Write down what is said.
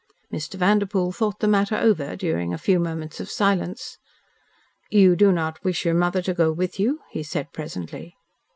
Mr. Vanderpoel thought the matter over during a few moments of silence. "You do not wish your mother to go with you?" he said presently.